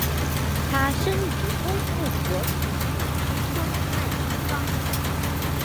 他生于工布博楚寺之中麦地方。